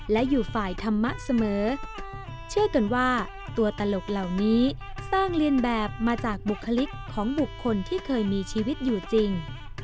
และอยู่ฝ่ายธรรมะเสมอเชื่อกันว่าตัวตลกเหล่านี้สร้างเรียนแบบมาจากบุคลิกของบุคคลที่เคยมีชีวิตอยู่จริง